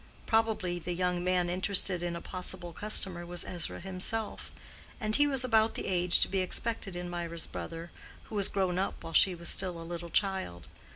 Probably the young man interested in a possible customer was Ezra himself; and he was about the age to be expected in Mirah's brother, who was grown up while she was still a little child.